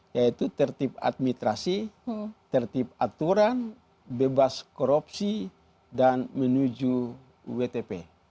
yaitu tertib administrasi tertib aturan bebas korupsi dan menuju wtp